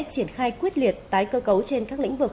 triển khai quyết liệt tái cơ cấu trên các lĩnh vực